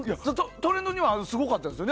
トレンドもすごかったですよね。